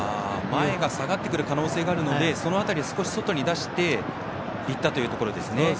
前が下がってくる可能性があるのでその辺り、少し外に出していったというところですね。